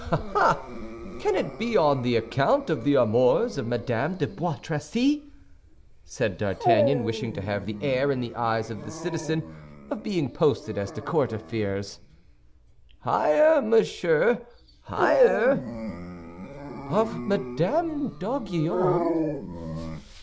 "Ah, ah! Can it be on account of the amours of Madame de Bois Tracy?" said D'Artagnan, wishing to have the air, in the eyes of the citizen, of being posted as to court affairs. "Higher, monsieur, higher." "Of Madame d'Aiguillon?"